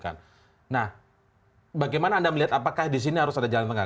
nah bagaimana anda melihat apakah di sini harus ada jalan tengah